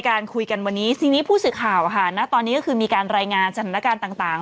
คุยกันวันนี้สิ่งนี้ผู้สื่อข่าวค่ะนะตอนนี้ก็คือมีการรายงานจัดหน้าการต่างต่าง